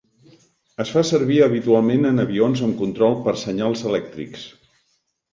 Es fa servir habitualment en avions amb control per senyals elèctrics.